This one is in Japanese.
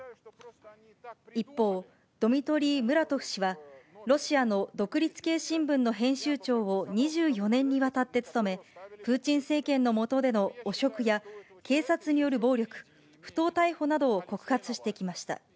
一方、ドミトリー・ムラトフ氏は、ロシアの独立系新聞の編集長を２４年にわたって務め、プーチン政権の下での汚職や警察による暴力、不当逮捕などを告発してきました。